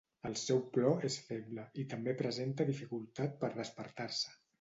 El seu plor és feble, i també presenta dificultat per despertar-se.